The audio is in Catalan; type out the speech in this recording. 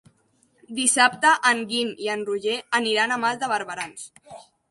Dissabte en Guim i en Roger aniran a Mas de Barberans.